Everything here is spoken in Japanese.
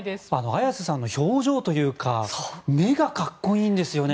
綾瀬さんの表情というか目が格好いいんですよね。